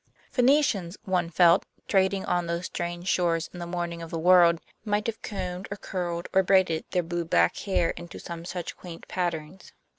Phoenicians, one felt, trading on those strange shores in the morning of the world, might have combed or curled or braided their blue black hair into some such quaint patterns.